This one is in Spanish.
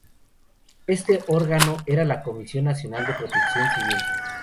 Este órgano era la Comisión Nacional de Protección Civil.